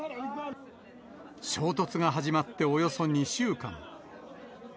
衝突が始まっておよそ２週間。